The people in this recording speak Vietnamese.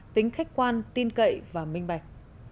tính khách quan tin cậy và minh bạch